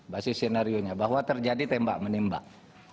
basis senarionya bahwa terjadi tembak menembak